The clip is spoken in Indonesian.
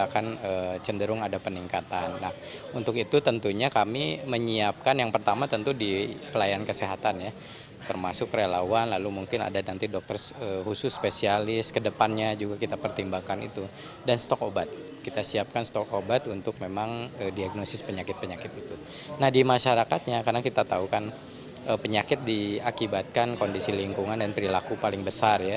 karena kita tahu kan penyakit diakibatkan kondisi lingkungan dan perilaku paling besar ya